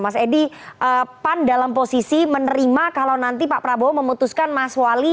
mas edi pan dalam posisi menerima kalau nanti pak prabowo memutuskan mas wali